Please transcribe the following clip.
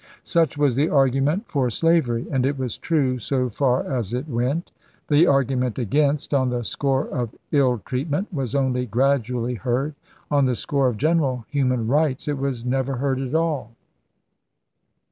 Such was the argument for slavery; and it was true so far as it went. The argument against, on the score of ill treatment, was only gradually heard. On the score of general human rights it was never heard at all.